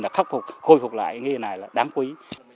là khắc phục hồi phục lại nghề này là đáng quý